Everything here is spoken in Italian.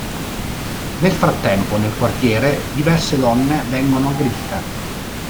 Nel frattempo, nel quartiere diverse donne vengono aggredite.